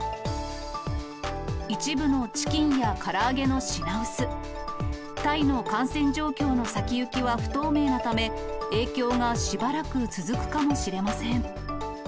一部のチキンやから揚げの品薄、タイの感染状況の先行きは不透明なため、影響がしばらく続くかもしれません。